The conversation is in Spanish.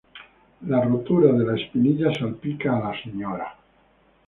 La rotura de la espinilla salpica a la Sra.